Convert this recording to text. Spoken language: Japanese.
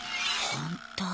本当。